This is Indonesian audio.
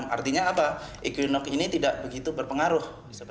artinya apa equinov ini tidak begitu berpengaruh